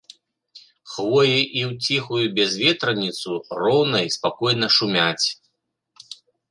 Хвоі і ў ціхую бязветраніцу роўна і спакойна шумяць.